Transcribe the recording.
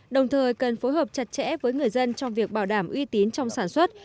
đồng thời cần phối hợp chặt chẽ với người dân trong việc bảo đảm uy tín trong sản xuất